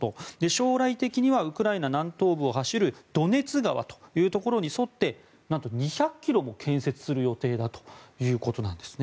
将来的にはウクライナ南東部を走るドネツ川というところに沿って２００ｋｍも建設する予定だということです。